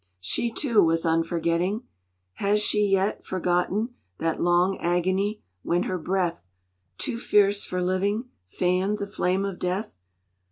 She too was unforgetting: has she yet Forgotten that long agony when her breath Too fierce for living fanned the flame of death?